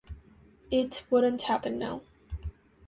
It wouldn't happen now.